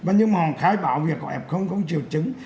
nhưng mà họ khái bảo việc của f không chịu chứng